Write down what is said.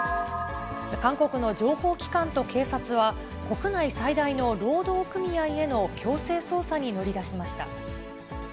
韓国の情報機関と警察は、国内最大の労働組合への強制捜査に乗り出しました。